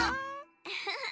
ウフフッ。